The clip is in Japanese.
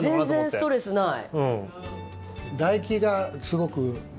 全然ストレスない。